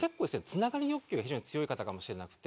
つながり欲求が非常に強い方かもしれなくて。